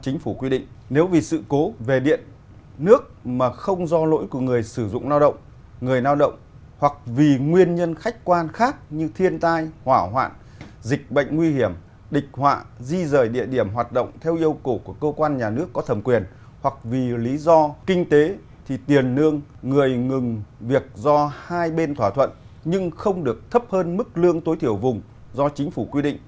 nếu vì sự cố về điện nước mà không do lỗi của người sử dụng lao động người lao động hoặc vì nguyên nhân khách quan khác như thiên tai hỏa hoạn dịch bệnh nguy hiểm địch họa di rời địa điểm hoạt động theo yêu cầu của cơ quan nhà nước có thẩm quyền hoặc vì lý do kinh tế thì tiền lương người ngừng việc do hai bên thỏa thuận nhưng không được thấp hơn mức lương tối thiểu vùng do chính phủ quy định